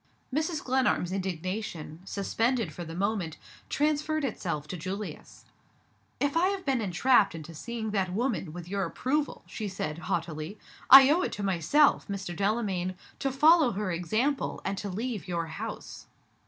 Mrs. Glenarm's indignation suspended for the moment transferred itself to Julius. "If I have been entrapped into seeing that woman, with your approval," she said, haughtily, "I owe it to myself, Mr. Delamayn, to follow her example, and to leave your house."